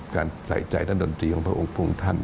การใส่ใจท่านดนตรีของพระองค์พรุงท่าน